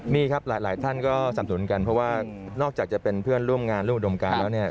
มีครับหลายท่านก็สับสนุนกันเพราะว่านอกจากจะเป็นเพื่อนร่วมงานร่วมอุดมการแล้วเนี่ย